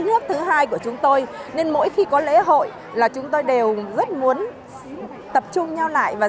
nước thứ hai của chúng tôi nên mỗi khi có lễ hội là chúng tôi đều rất muốn tập trung nhau lại và